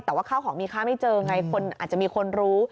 แต่ว่าข้าวของมีค่าไม่เจอไงคนอาจจะมีคนรู้